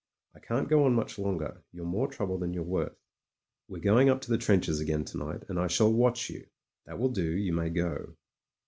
I can't go on much longer; you're more trouble than you're worth. We're going up to the trenches again to night, and I shall watch you. That will do; you may go."